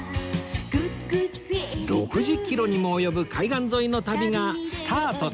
６０キロにも及ぶ海岸沿いの旅がスタートです！